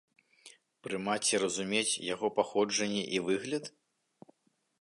Прымаць і разумець яго паходжанне і выгляд?